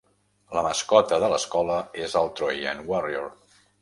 La mascota de l'escola és el Trojan Warrior.